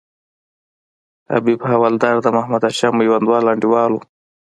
حبیب حوالدار د محمد هاشم میوندوال انډیوال وو.